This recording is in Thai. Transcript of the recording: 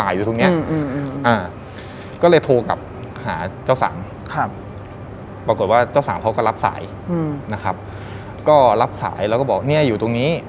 ยกเคาะเล่น